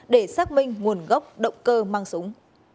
để xác minh nguồn gốc động cơ mang súng